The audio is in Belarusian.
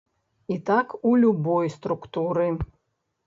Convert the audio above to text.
І так у любой структуры.